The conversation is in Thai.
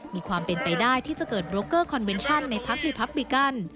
มีความเป็นไปได้ที่จะเกิดโรคเกอร์คอนเวนชั่นในพักรีพับบิกัน